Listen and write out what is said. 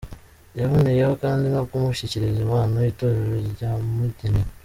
Yaboneyeho kandi no Kumushyikiriza impano Itorero ryamugeneye.